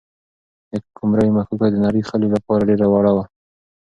د قمرۍ مښوکه د نري خلي لپاره ډېره وړه وه.